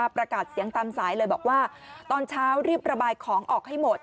ประกาศเสียงตามสายเลยบอกว่าตอนเช้ารีบระบายของออกให้หมด